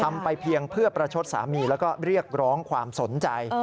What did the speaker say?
ไปเพียงเพื่อประชดสามีแล้วก็เรียกร้องความสนใจ